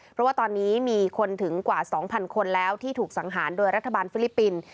เพราะว่าตอนนี้มีคนถึงกว่า๒๐๐คนแล้วที่ถูกสังหารโดยรัฐบาลฟิลิปปินส์